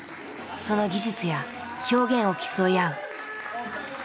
その技術や表現を競い合う。